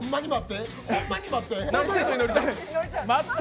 ほんまに待って！